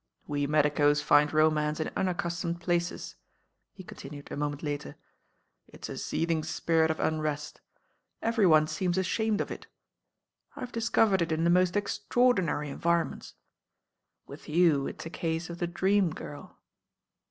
"We medicos find romance in unaccustomed places," he continued a moment later. "It's a seeth ing spirit of unrest. Every one seems ashamed of It. I ve discovered it in the most extraordinary en vironments. With you it's a case of the Dream Girl."